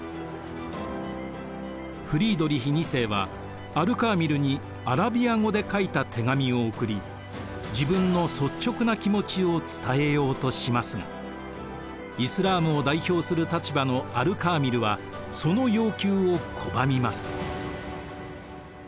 フリードリヒ２世はアル・カーミルにアラビア語で書いた手紙を送り自分の率直な気持ちを伝えようとしますがイスラームを代表する立場のアル・カーミルはその要求を拒みます。